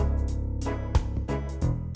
aku mau panggil nama atu